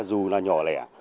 dù là nhỏ lẻ